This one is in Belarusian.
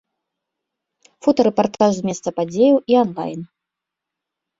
Фотарэпартаж з месца падзеяў і анлайн.